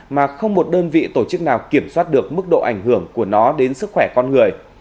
mà không một đơn vị tổ chức nào kiểm soát được mức độ ảnh hưởng của nó đến sức khỏe con người